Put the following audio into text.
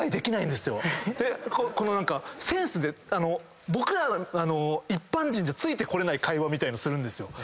この何かセンスで僕らあの一般人じゃついてこれない会話みたいなのするんですよ。